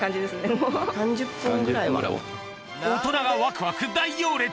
大人がワクワク大行列。